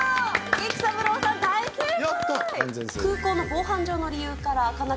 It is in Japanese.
育三郎さん大正解。